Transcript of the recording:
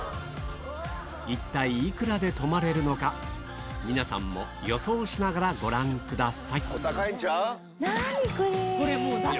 一体幾らで泊まれるのか皆さんも予想しながらご覧ください何？